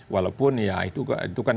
walaupun ya itu kan